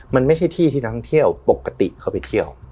มันไม่ใช่ที่ที่นักท่องเที่ยวปกติเขาไปเที่ยว